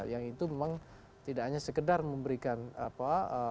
yang itu memang tidak hanya sekedar memberikan apa